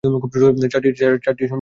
চারটি সাম্রাজ্যের পতন ঘটে।